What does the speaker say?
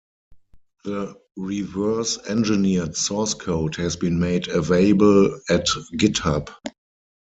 The reverse-engineered source code has been made available at Github.